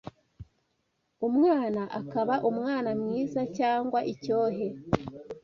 umwana akaba umwana mwiza cyangwa icyohe